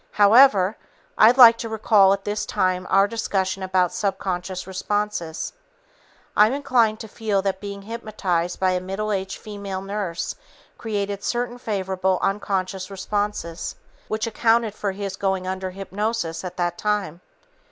However, I'd like to recall at this time our discussion about subconscious responses. I'm inclined to feel that being hypnotized by a middle aged female nurse created certain favorable unconscious responses which accounted for his going under hypnosis at that time.